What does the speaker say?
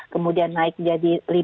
kemudian naik jadi lima